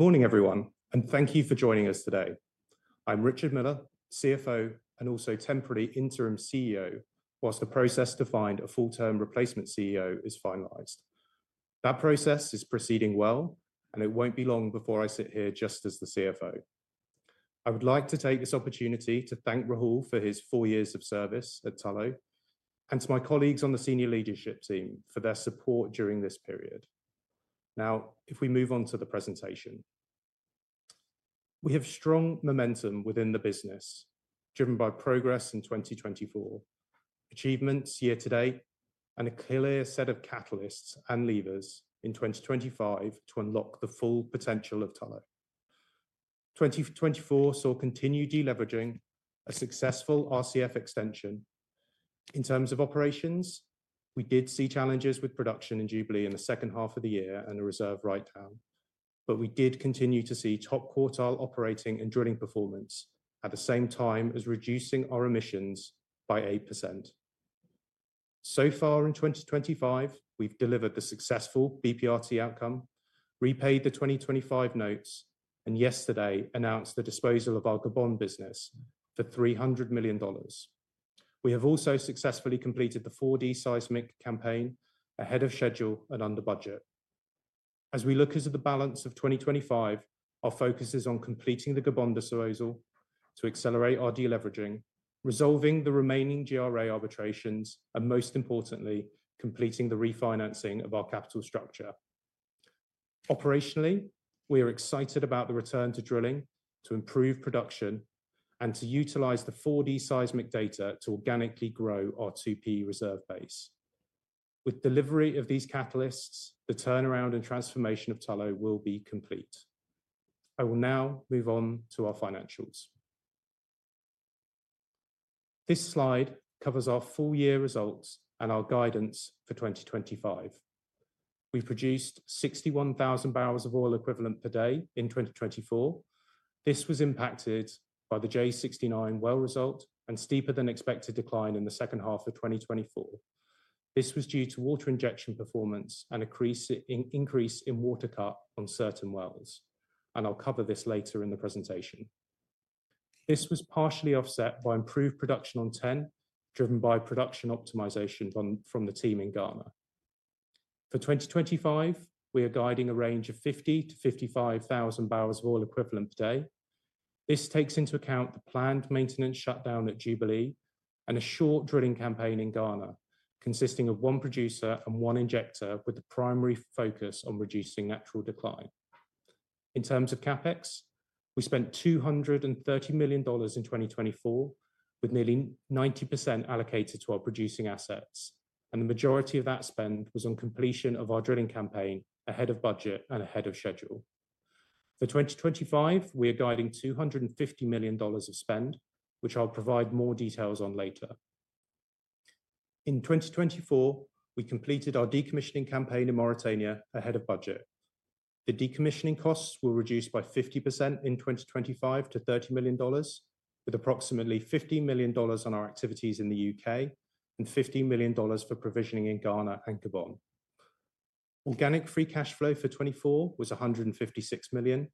Good morning, everyone, and thank you for joining us today. I'm Richard Miller, CFO and also temporary interim CEO, whilst the process to find a full-term replacement CEO is finalized. That process is proceeding well, and it won't be long before I sit here just as the CFO. I would like to take this opportunity to thank Rahul for his four years of service at Tullow, and to my colleagues on the senior leadership team for their support during this period. Now, if we move on to the presentation, we have strong momentum within the business, driven by progress in 2024, achievements year to date, and a clear set of catalysts and levers in 2025 to unlock the full potential of Tullow. 2024 saw continued deleveraging, a successful RCF extension. In terms of operations, we did see challenges with production in Jubilee in the second half of the year and a reserve write-down, but we did continue to see top quartile operating and drilling performance at the same time as reducing our emissions by 8%. So far in 2025, we've delivered the successful BPRT outcome, repaid the 2025 notes, and yesterday announced the disposal of our Gabon business for $300 million. We have also successfully completed the 4D seismic campaign ahead of schedule and under budget. As we look into the balance of 2025, our focus is on completing the Gabon disposal to accelerate our deleveraging, resolving the remaining GRA arbitrations, and most importantly, completing the refinancing of our capital structure. Operationally, we are excited about the return to drilling to improve production and to utilize the 4D seismic data to organically grow our 2P reserve base. With delivery of these catalysts, the turnaround and transformation of Tullow will be complete. I will now move on to our financials. This slide covers our full year results and our guidance for 2025. We produced 61,000 barrels of oil equivalent per day in 2024. This was impacted by the J69 well result and steeper-than-expected decline in the second half of 2024. This was due to water injection performance and an increase in water cut on certain wells, and I'll cover this later in the presentation. This was partially offset by improved production on TEN, driven by production optimization from the team in Ghana. For 2025, we are guiding a range of 50,000-55,000 barrels of oil equivalent per day. This takes into account the planned maintenance shutdown at Jubilee and a short drilling campaign in Ghana, consisting of one producer and one injector, with the primary focus on reducing natural decline. In terms of CapEx, we spent $230 million in 2024, with nearly 90% allocated to our producing assets, and the majority of that spend was on completion of our drilling campaign ahead of budget and ahead of schedule. For 2025, we are guiding $250 million of spend, which I'll provide more details on later. In 2024, we completed our decommissioning campaign in Mauritania ahead of budget. The decommissioning costs were reduced by 50% in 2025 to $30 million, with approximately $15 million on our activities in the U.K. and $15 million for provisioning in Ghana and Gabon. Organic free cash flow for 2024 was $156 million,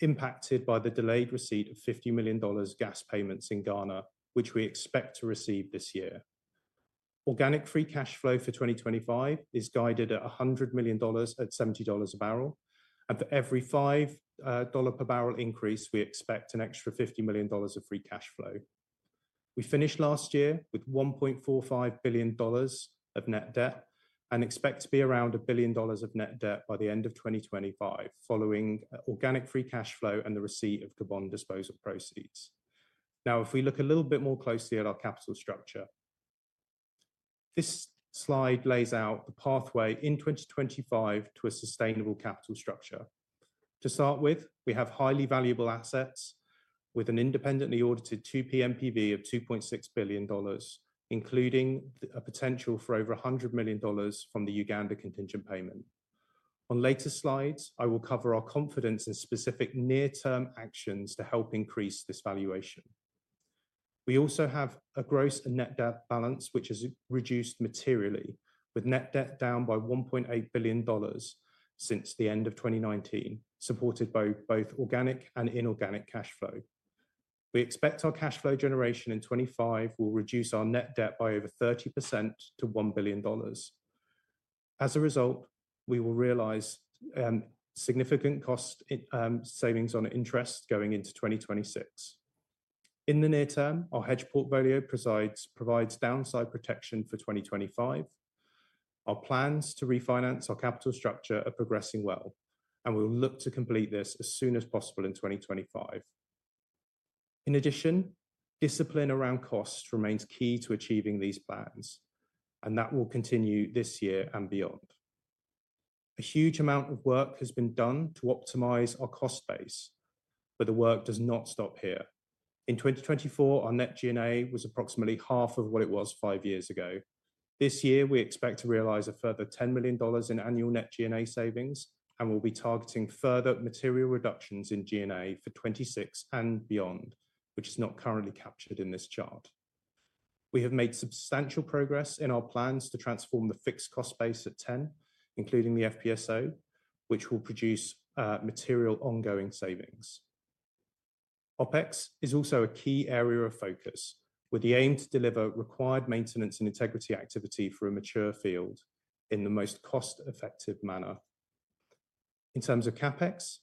impacted by the delayed receipt of $50 million gas payments in Ghana, which we expect to receive this year. Organic free cash flow for 2025 is guided at $100 million at $70 a barrel, and for every $5 per barrel increase, we expect an extra $50 million of free cash flow. We finished last year with $1.45 billion of net debt and expect to be around $1 billion of net debt by the end of 2025, following organic free cash flow and the receipt of Gabon disposal proceeds. Now, if we look a little bit more closely at our capital structure, this slide lays out the pathway in 2025 to a sustainable capital structure. To start with, we have highly valuable assets with an independently audited 2P NPV of $2.6 billion, including a potential for over $100 million from the Uganda contingent payment. On later slides, I will cover our confidence in specific near-term actions to help increase this valuation. We also have a gross net debt balance, which has reduced materially, with net debt down by $1.8 billion since the end of 2019, supported by both organic and inorganic cash flow. We expect our cash flow generation in 2025 will reduce our net debt by over 30% to $1 billion. As a result, we will realize significant cost savings on interest going into 2026. In the near term, our hedge portfolio provides downside protection for 2025. Our plans to refinance our capital structure are progressing well, and we'll look to complete this as soon as possible in 2025. In addition, discipline around costs remains key to achieving these plans, and that will continue this year and beyond. A huge amount of work has been done to optimize our cost base, but the work does not stop here. In 2024, our net G&A was approximately half of what it was five years ago. This year, we expect to realize a further $10 million in annual net G&A savings, and we'll be targeting further material reductions in G&A for 2026 and beyond, which is not currently captured in this chart. We have made substantial progress in our plans to transform the fixed cost base at TEN, including the FPSO, which will produce material ongoing savings. OPEX is also a key area of focus, with the aim to deliver required maintenance and integrity activity for a mature field in the most cost-effective manner. In terms of CapEx,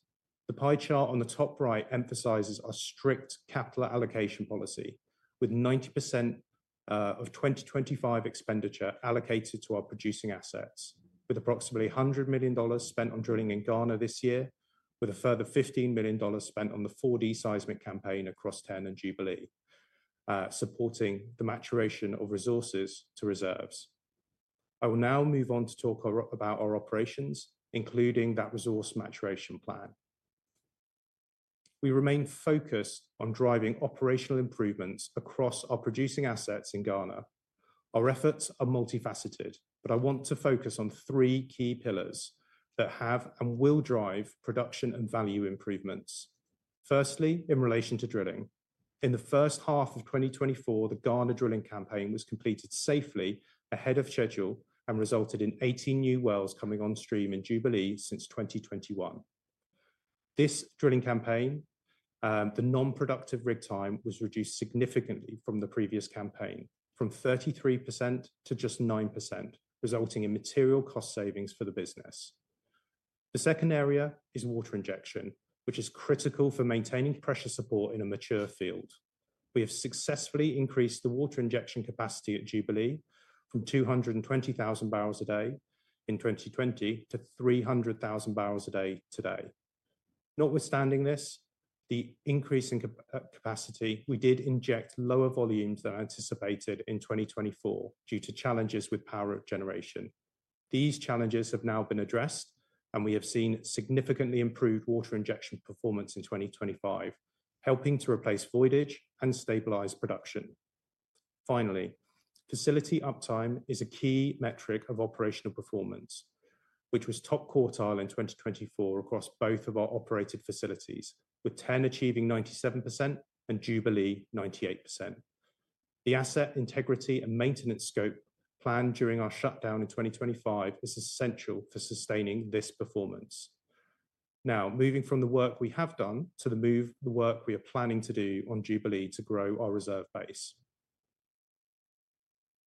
the pie chart on the top right emphasizes our strict capital allocation policy, with 90% of 2025 expenditure allocated to our producing assets, with approximately $100 million spent on drilling in Ghana this year, with a further $15 million spent on the 4D seismic campaign across TEN and Jubilee, supporting the maturation of resources to reserves. I will now move on to talk about our operations, including that resource maturation plan. We remain focused on driving operational improvements across our producing assets in Ghana. Our efforts are multifaceted, but I want to focus on three key pillars that have and will drive production and value improvements. Firstly, in relation to drilling, in the first half of 2024, the Ghana drilling campaign was completed safely ahead of schedule and resulted in 18 new wells coming on stream in Jubilee since 2021. This drilling campaign, the non-productive rig time, was reduced significantly from the previous campaign, from 33% to just 9%, resulting in material cost savings for the business. The second area is water injection, which is critical for maintaining pressure support in a mature field. We have successfully increased the water injection capacity at Jubilee from 220,000 barrels a day in 2020 to 300,000 barrels a day today. Notwithstanding this, the increase in capacity, we did inject lower volumes than anticipated in 2024 due to challenges with power generation. These challenges have now been addressed, and we have seen significantly improved water injection performance in 2025, helping to replace voidage and stabilize production. Finally, facility uptime is a key metric of operational performance, which was top quartile in 2024 across both of our operated facilities, with TEN achieving 97% and Jubilee 98%. The asset integrity and maintenance scope planned during our shutdown in 2025 is essential for sustaining this performance. Now, moving from the work we have done to the work we are planning to do on Jubilee to grow our reserve base.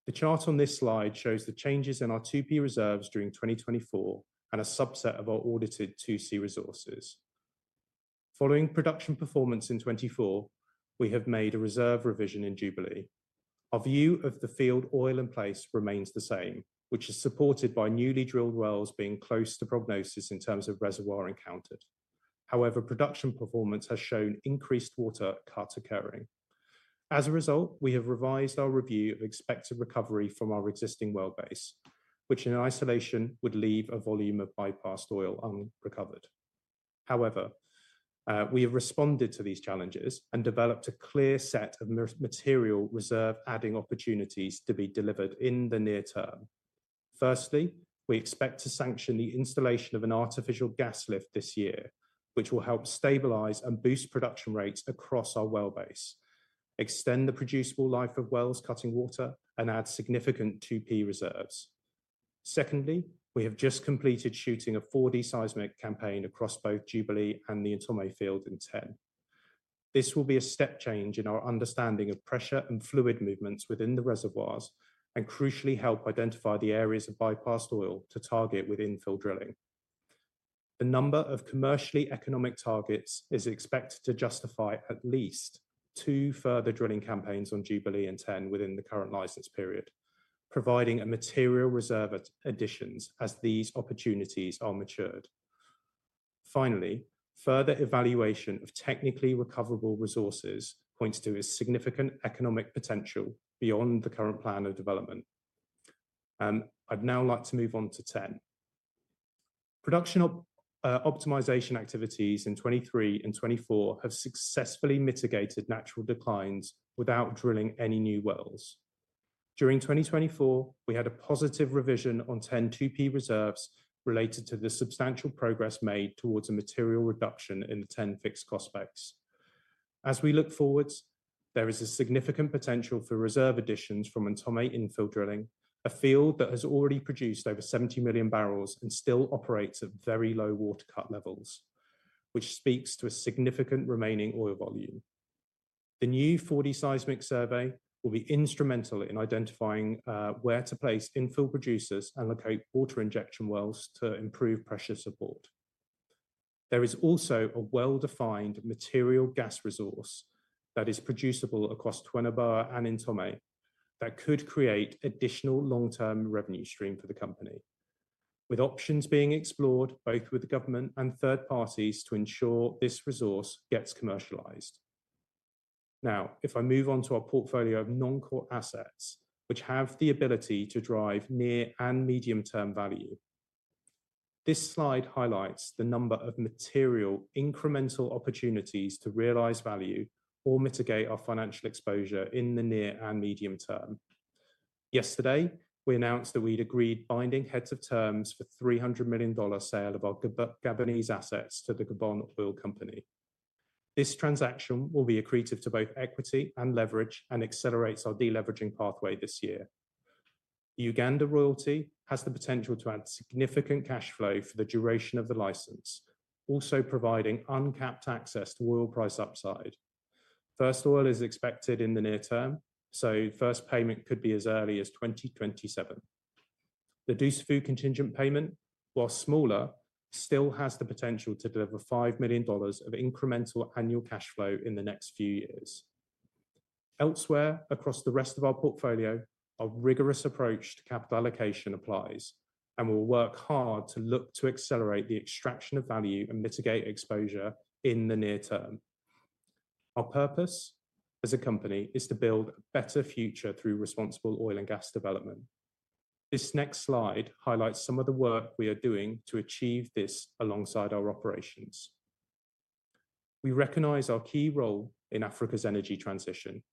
The chart on this slide shows the changes in our 2P reserves during 2024 and a subset of our audited 2C resources. Following production performance in 2024, we have made a reserve revision in Jubilee. Our view of the field oil in place remains the same, which is supported by newly drilled wells being close to prognosis in terms of reservoir encountered. However, production performance has shown increased water cut occurring. As a result, we have revised our review of expected recovery from our existing well base, which in isolation would leave a volume of bypassed oil unrecovered. However, we have responded to these challenges and developed a clear set of material reserve adding opportunities to be delivered in the near term. Firstly, we expect to sanction the installation of an artificial gas lift this year, which will help stabilize and boost production rates across our well base, extend the producible life of wells cutting water, and add significant 2P reserves. Secondly, we have just completed shooting a 4D seismic campaign across both Jubilee and the Ntomme field in TEN. This will be a step change in our understanding of pressure and fluid movements within the reservoirs and crucially help identify the areas of bypassed oil to target with infill drilling. The number of commercially economic targets is expected to justify at least two further drilling campaigns on Jubilee and TEN within the current license period, providing material reserve additions as these opportunities are matured. Finally, further evaluation of technically recoverable resources points to a significant economic potential beyond the current plan of development. I'd now like to move on to TEN. Production optimization activities in 2023 and 2024 have successfully mitigated natural declines without drilling any new wells. During 2024, we had a positive revision on TEN 2P reserves related to the substantial progress made towards a material reduction in the TEN fixed cost base. As we look forward, there is a significant potential for reserve additions from Ntomme infill drilling, a field that has already produced over 70 million barrels and still operates at very low water cut levels, which speaks to a significant remaining oil volume. The new 4D seismic survey will be instrumental in identifying where to place infill producers and locate water injection wells to improve pressure support. There is also a well-defined material gas resource that is producible across Tweneboa and Ntomme that could create additional long-term revenue stream for the company, with options being explored both with the government and third parties to ensure this resource gets commercialized. Now, if I move on to our portfolio of non-core assets, which have the ability to drive near and medium-term value. This slide highlights the number of material incremental opportunities to realize value or mitigate our financial exposure in the near and medium term. Yesterday, we announced that we'd agreed binding heads of terms for $300 million sale of our Gabonese assets to the Gabon Oil Company. This transaction will be accretive to both equity and leverage and accelerates our deleveraging pathway this year. Uganda royalty has the potential to add significant cash flow for the duration of the license, also providing uncapped access to oil price upside. First oil is expected in the near term, so first payment could be as early as 2027. The Dusafu contingent payment, while smaller, still has the potential to deliver $5 million of incremental annual cash flow in the next few years. Elsewhere across the rest of our portfolio, a rigorous approach to capital allocation applies, and we'll work hard to look to accelerate the extraction of value and mitigate exposure in the near term. Our purpose as a company is to build a better future through responsible oil and gas development. This next slide highlights some of the work we are doing to achieve this alongside our operations. We recognize our key role in Africa's energy transition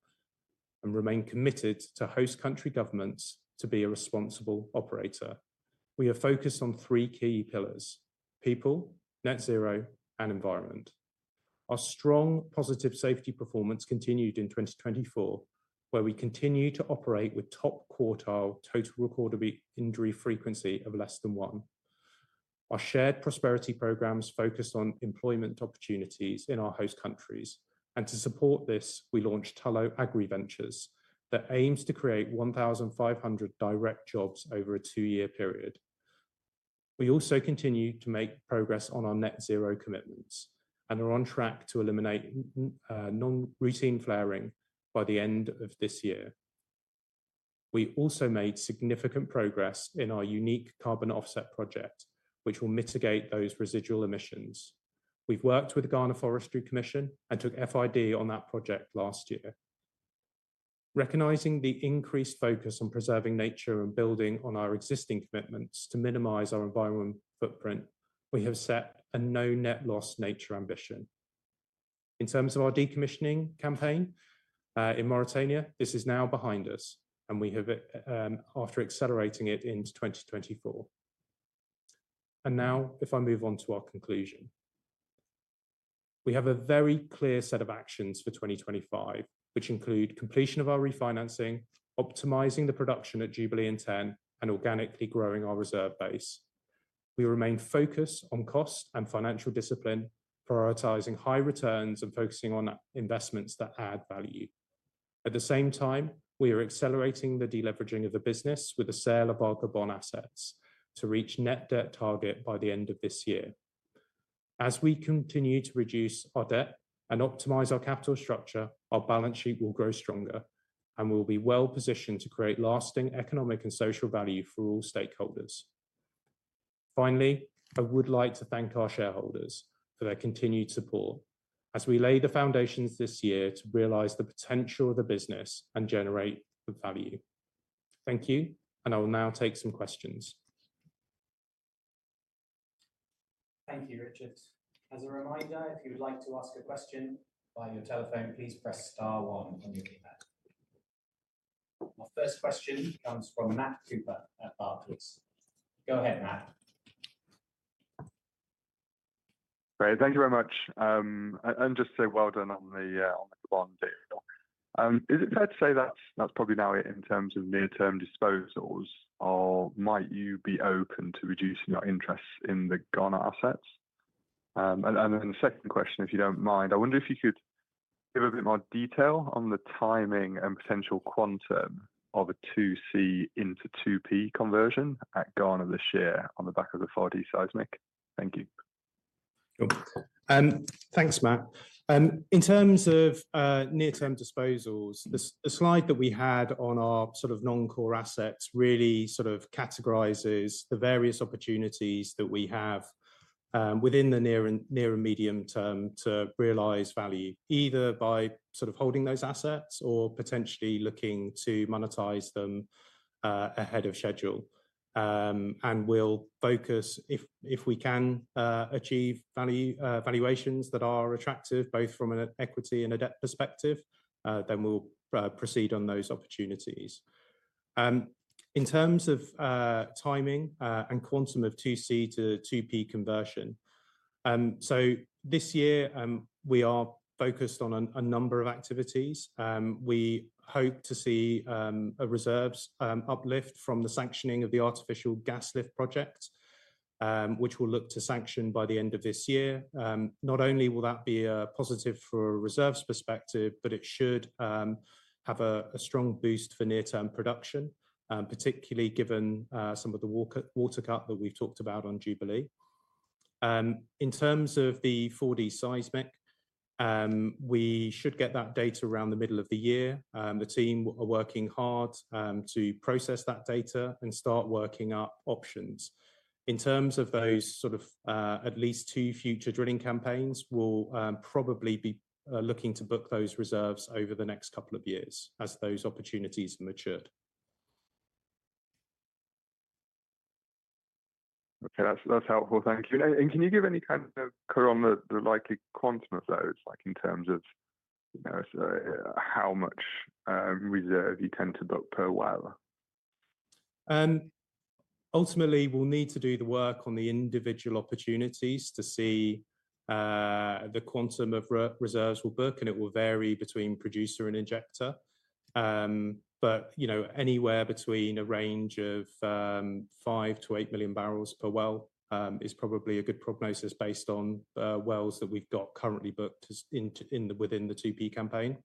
and remain committed to host country governments to be a responsible operator. We are focused on three key pillars: people, net zero, and environment. Our strong positive safety performance continued in 2024, where we continue to operate with top quartile total recorded injury frequency of less than one. Our shared prosperity programs focus on employment opportunities in our host countries, and to support this, we launched Tullow Agri Ventures that aims to create 1,500 direct jobs over a two-year period. We also continue to make progress on our net zero commitments and are on track to eliminate non-routine flaring by the end of this year. We also made significant progress in our unique carbon offset project, which will mitigate those residual emissions. We've worked with the Ghana Forestry Commission and took FID on that project last year. Recognizing the increased focus on preserving nature and building on our existing commitments to minimize our environmental footprint, we have set a no-net-loss nature ambition. In terms of our decommissioning campaign in Mauritania, this is now behind us, and we have after accelerating it into 2024. Now, if I move on to our conclusion, we have a very clear set of actions for 2025, which include completion of our refinancing, optimizing the production at Jubilee and TEN, and organically growing our reserve base. We remain focused on cost and financial discipline, prioritizing high returns and focusing on investments that add value. At the same time, we are accelerating the deleveraging of the business with the sale of our Gabon assets to reach net debt target by the end of this year. As we continue to reduce our debt and optimize our capital structure, our balance sheet will grow stronger, and we'll be well positioned to create lasting economic and social value for all stakeholders. Finally, I would like to thank our shareholders for their continued support as we lay the foundations this year to realize the potential of the business and generate the value. Thank you, and I will now take some questions. Thank you, Richard. As a reminder, if you'd like to ask a question via your telephone, please press star one on your email. Our first question comes from Matt Cooper at Barclays. Go ahead, Matt. Great. Thank you very much. Just to say well done on the Gabon deal. Is it fair to say that that's probably now it in terms of near-term disposals, or might you be open to reducing your interest in the Ghana assets? And then the second question, if you do not mind, I wonder if you could give a bit more detail on the timing and potential quantum of a 2C into 2P conversion at Ghana this year on the back of the 4D seismic. Thank you. Thanks, Matt. In terms of near-term disposals, the slide that we had on our sort of non-core assets really categorizes the various opportunities that we have within the near and medium term to realize value, either by sort of holding those assets or potentially looking to monetize them ahead of schedule. We will focus, if we can achieve valuations that are attractive both from an equity and a debt perspective, then we will proceed on those opportunities. In terms of timing and quantum of 2C to 2P conversion, this year we are focused on a number of activities. We hope to see a reserves uplift from the sanctioning of the artificial gas lift project, which we will look to sanction by the end of this year. Not only will that be a positive from a reserves perspective, but it should have a strong boost for near-term production, particularly given some of the water cut that we have talked about on Jubilee. In terms of the 4D seismic, we should get that data around the middle of the year. The team are working hard to process that data and start working up options. In terms of those sort of at least two future drilling campaigns, we will probably be looking to book those reserves over the next couple of years as those opportunities matured. Okay, that is helpful. Thank you. Can you give any kind of color on the likely content of those, like in terms of how much reserve you tend to book per well? Ultimately, we'll need to do the work on the individual opportunities to see the quantum of reserves we'll book, and it will vary between producer and injector. But anywhere between a range of 5 million-8 million barrels per well is probably a good prognosis based on wells that we've got currently booked within the 2P campaign.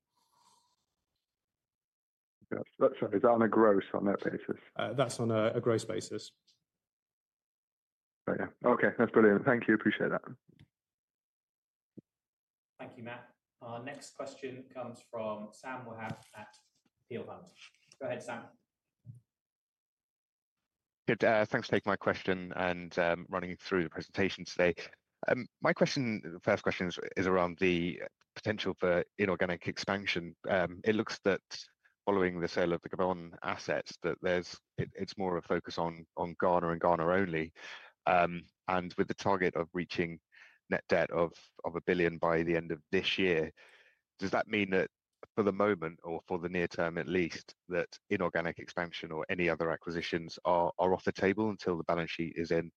That's on a gross basis. Okay, that's brilliant. Thank you. Appreciate that. Thank you, Matt. Our next question comes from Sam Wahab at Peel Hunt. Go ahead, Sam. Thanks for taking my question and running through the presentation today. My question, the first question is around the potential for inorganic expansion. It looks that following the sale of the Gabon assets, that it's more of a focus on Ghana and Ghana only. With the target of reaching net debt of $1 billion by the end of this year, does that mean that for the moment or for the near term at least, that inorganic expansion or any other acquisitions are off the table until the balance sheet is in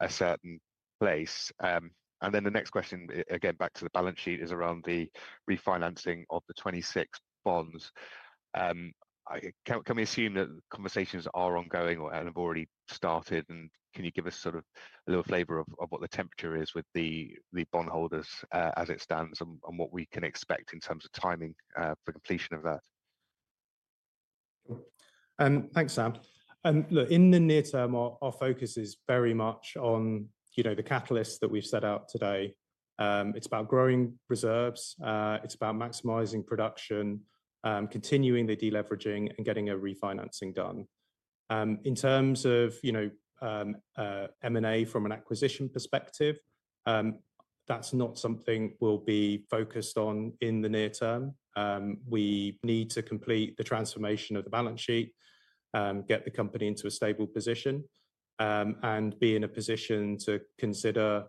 a certain place? The next question, again, back to the balance sheet, is around the refinancing of the 2026 bonds. Can we assume that conversations are ongoing and have already started? Can you give us sort of a little flavor of what the temperature is with the bondholders as it stands and what we can expect in terms of timing for completion of that? Thanks, Sam. Look, in the near term, our focus is very much on the catalysts that we've set out today. It's about growing reserves. It's about maximizing production, continuing the deleveraging, and getting a refinancing done. In terms of M&A from an acquisition perspective, that's not something we'll be focused on in the near term. We need to complete the transformation of the balance sheet, get the company into a stable position, and be in a position to consider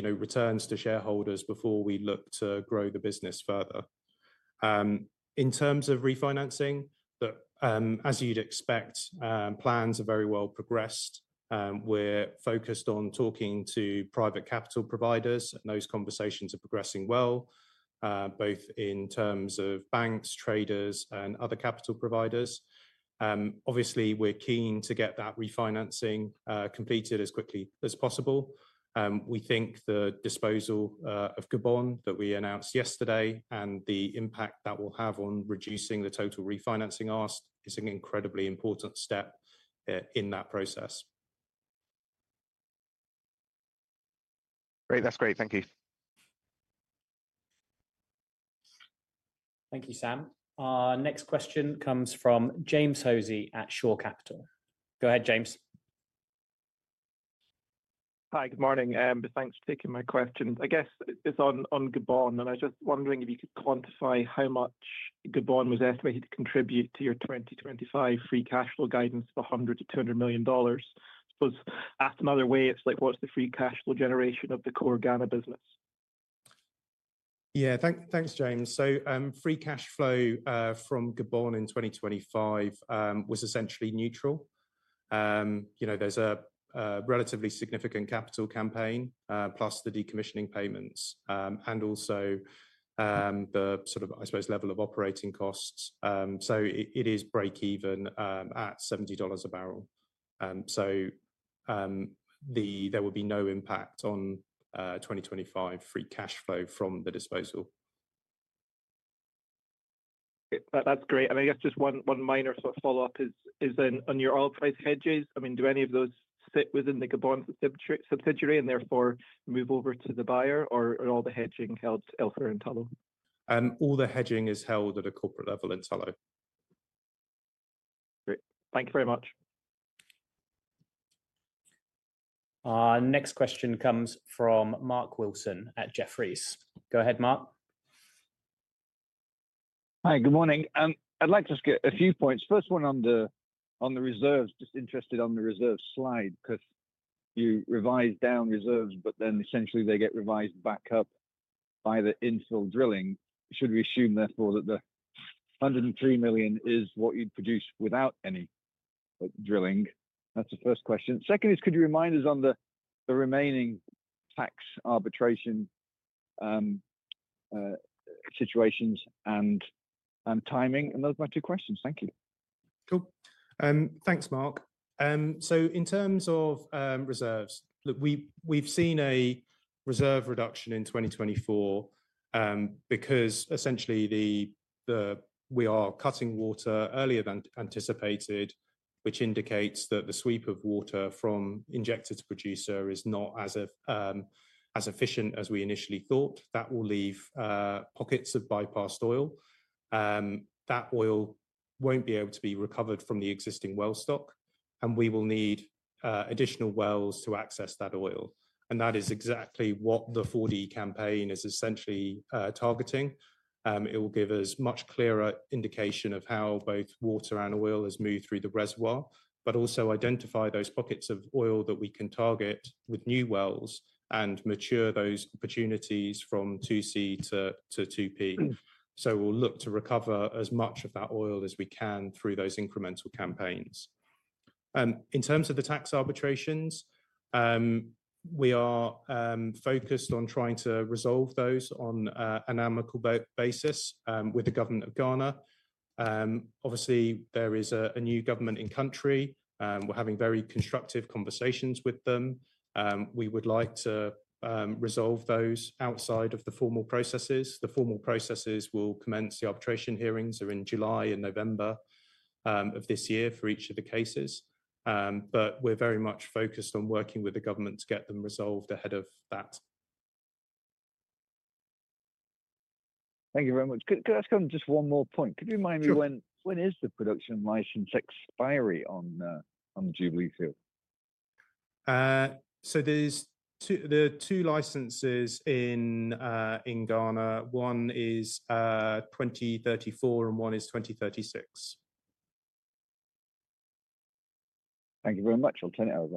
returns to shareholders before we look to grow the business further. In terms of refinancing, as you'd expect, plans are very well progressed. We're focused on talking to private capital providers, and those conversations are progressing well, both in terms of banks, traders, and other capital providers. Obviously, we're keen to get that refinancing completed as quickly as possible. We think the disposal of Gabon that we announced yesterday and the impact that will have on reducing the total refinancing asked is an incredibly important step in that process. Great. That's great. Thank you. Thank you, Sam. Our next question comes from James Hosey at Shore Capital. Go ahead, James. Hi, good morning. Thanks for taking my question. I guess it's on Gabon, and I was just wondering if you could quantify how much Gabon was estimated to contribute to your 2025 free cash flow guidance for $100 million-$200 million. I suppose asked another way, it's like, what's the free cash flow generation of the core Ghana business? Yeah, thanks, James. Free cash flow from Gabon in 2025 was essentially neutral. There's a relatively significant capital campaign, plus the decommissioning payments, and also the sort of, I suppose, level of operating costs. It is break-even at $70 a barrel. There will be no impact on 2025 free cash flow from the disposal. That's great. I guess just one minor sort of follow-up is on your oil-price hedges. I mean, do any of those sit within the Gabon subsidiary and therefore move over to the buyer, or are all the hedging held elsewhere in Tullow? All the hedging is held at a corporate level in Tullow. Great. Thank you very much. Our next question comes from Mark Wilson at Jefferies. Go ahead, Mark. Hi, good morning. I'd like to just get a few points. First one on the reserves, just interested on the reserves slide, because you revise down reserves, but then essentially they get revised back up by the infill drilling. Should we assume therefore that the $103 million is what you'd produce without any drilling? That's the first question. Second is, could you remind us on the remaining tax arbitration situations and timing? And those are my two questions. Thank you. Cool. Thanks, Mark. In terms of reserves, look, we've seen a reserve reduction in 2024 because essentially we are cutting water earlier than anticipated, which indicates that the sweep of water from injector to producer is not as efficient as we initially thought. That will leave pockets of bypassed oil. That oil won't be able to be recovered from the existing well stock, and we will need additional wells to access that oil. That is exactly what the 4D campaign is essentially targeting. It will give us a much clearer indication of how both water and oil has moved through the reservoir, but also identify those pockets of oil that we can target with new wells and mature those opportunities from 2C to 2P. We will look to recover as much of that oil as we can through those incremental campaigns. In terms of the tax arbitrations, we are focused on trying to resolve those on an amicable basis with the government of Ghana. Obviously, there is a new government in country. We are having very constructive conversations with them. We would like to resolve those outside of the formal processes. The formal processes will commence, the arbitration hearings are in July and November of this year for each of the cases. We are very much focused on working with the government to get them resolved ahead of that. Thank you very much. Could I ask just one more point? Could you remind me when is the production license expiry on Jubilee field? There are two licenses in Ghana. One is 2034 and one is 2036. Thank you very much. I'll turn it over.